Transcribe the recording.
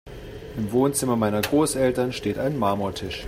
Im Wohnzimmer meiner Großeltern steht ein Marmortisch.